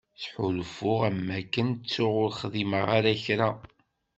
Ttḥulfuɣ am wakken ttuɣ ur xdimeɣ ara kra.